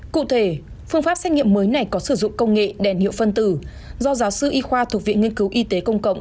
cụ thể phương pháp xét nghiệm mới này có sử dụng công nghệ đèn hiệu phân tử do giáo sư y khoa thuộc viện nghiên cứu y tế công cộng